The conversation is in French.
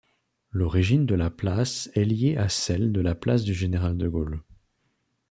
L'origine de la place est liée à celle de la place du Général-de-Gaulle.